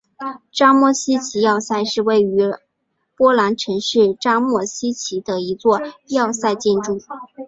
扎莫希奇要塞是位于波兰城市扎莫希奇的一座要塞建筑。